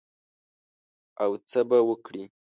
او څه به وکړې؟